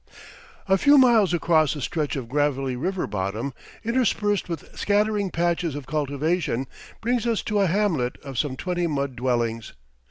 A few miles across a stretch of gravelly river bottom, interspersed with scattering patches of cultivation, brings us to a hamlet of some twenty mud dwellings.